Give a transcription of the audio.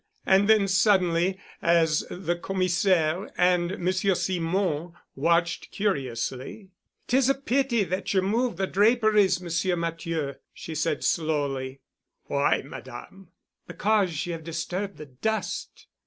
And then suddenly, as the Commissaire and Monsieur Simon watched curiously, "It is a pity that you moved the draperies, Monsieur Matthieu," she said slowly. "Why, Madame?" "Because you have disturbed the dust."